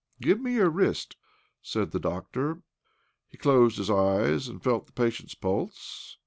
" Give me your wrist," said the doctor. He closed his eyes and felt the patient's pulse.